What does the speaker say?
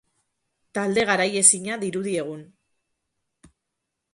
Talde garaiezina dirudi egun.